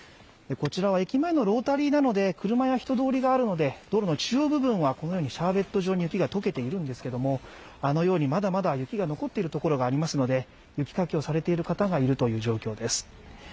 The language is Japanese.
こちらは駅前のロータリーなので車や人通りがあるので、道路の中央部分はシャーベット状に雪が解けているんですけどあのように、まだまだ雪が残っているところがありますので、雪かきをされている方がいるという状況です。